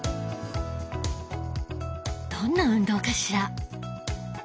どんな運動かしら？